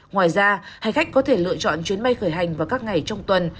ngoài ra hành khách có thể lựa chọn chuyến bay khởi hành vào các ngày trong tuần